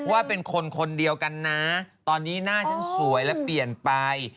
ว่าเป็นคนคนเดียวกันนะตอนนี้หน้าฉันสวยและเปลี่ยนไป